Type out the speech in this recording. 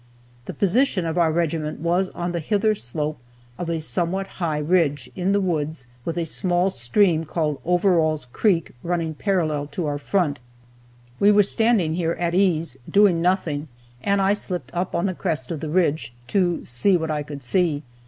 The position of our regiment was on the hither slope of a somewhat high ridge, in the woods, with a small stream called Overall's creek running parallel to our front. We were standing here at ease, doing nothing, and I slipped up on the crest of the ridge, "to see what I could see."